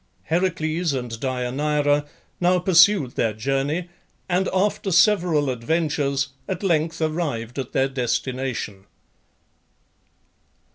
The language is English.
Heracles and Deianeira now pursued their journey, and after several adventures at length arrived at their destination.